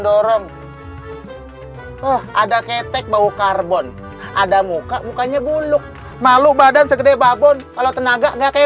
dorong oh ada ketek bau karbon ada muka mukanya buluk malu badan segede babon kalau tenaga enggak kayak